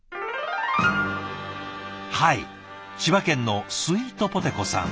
はい千葉県のスイートポテこさん。